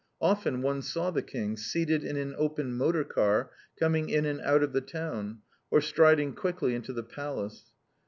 Often one saw the King, seated in an open motor car coming in and out of the town, or striding quickly into the Palace.